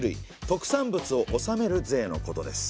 特産物を納める税のことです。